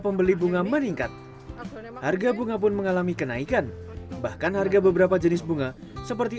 pembeli bunga meningkat harga bunga pun mengalami kenaikan bahkan harga beberapa jenis bunga seperti